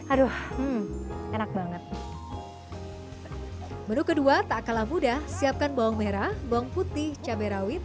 aduh enak banget menu kedua tak kalah mudah siapkan bawang merah bawang putih cabai rawit